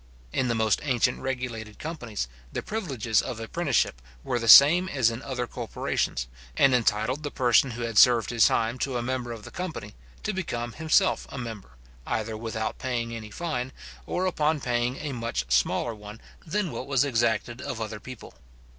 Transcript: In the most ancient regulated companies, the privileges of apprenticeship were the same as in other corporations, and entitled the person who had served his time to a member of the company, to become himself a member, either without paying any fine, or upon paying a much smaller one than what was exacted of other people.